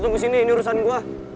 tunggu sini ini urusan gue